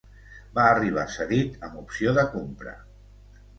Va arribar cedit amb opció de compra.